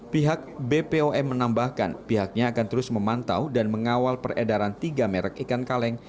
pihak bpom menambahkan pihaknya akan terus memantau dan mengawal peredaran tiga merek ikan kaleng